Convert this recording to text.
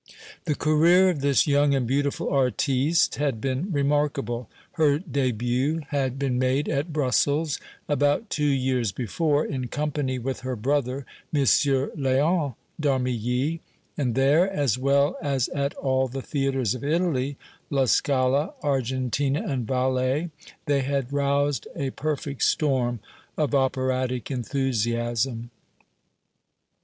The career of this young and beautiful artiste had been remarkable. Her début had been made at Brussels, about two years before, in company with her brother, M. Léon d'Armilly, and there, as well as at all the theatres of Italy, La Scala, Argentina and Valle, they had roused a perfect storm of operatic enthusiasm.